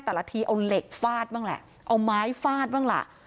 แต่ละทีเอาเหล็กฟาดบ้างแหละเอาไม้ฟาดบ้างล่ะ